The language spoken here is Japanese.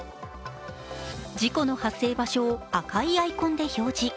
事故の発生場所を赤いアイコンで表示。